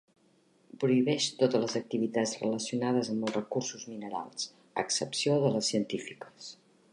Prohibeix totes les activitats relacionades amb els recursos minerals, a excepció de les científiques.